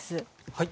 はい。